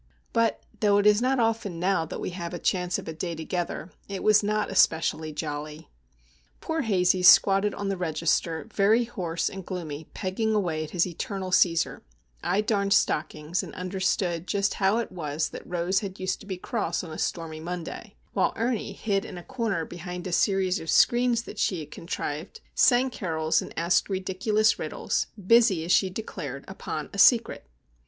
But, though it is not often now that we have the chance of a day together, it was not especially jolly. Poor Hazey squatted on the register, very hoarse and gloomy, pegging away at his eternal Cæsar; I darned stockings, and understood just how it was that Rose had used to be cross on a stormy Monday; while Ernie, hid in a corner behind a series of screens that she had contrived, sang carols and asked ridiculous riddles, busy as she declared upon "a secret."